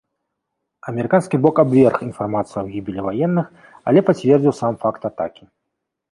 Амерыканскі бок абверг інфармацыю аб гібелі ваенных, але пацвердзіў сам факт атакі.